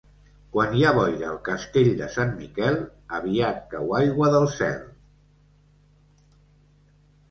Quan hi ha boira al castell de Sant Miquel, aviat cau aigua del cel.